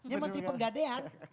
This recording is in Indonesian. ya menteri penggadean